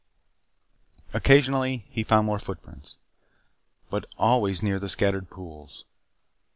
Occasionally he found more footprints. But always near the scattered pools.